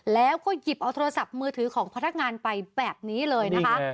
แล้วก็หยิบเอาโทรศัพท์มือถือของพนักงานไปแบบนี้เลยนะคะ